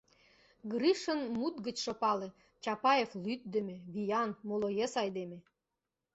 Гришын мут гычшо пале: Чапаев лӱддымӧ, виян, молоес айдеме.